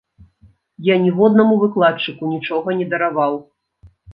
Я ніводнаму выкладчыку нічога не дараваў!